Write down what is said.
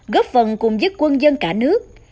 góp phần cùng giấc quân dân cả nước